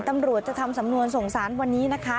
ตำรวจจะทำสำนวนส่งสารวันนี้นะคะ